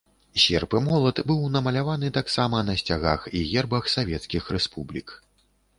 Серп і молат быў намаляваны таксама на сцягах і гербах савецкіх рэспублік.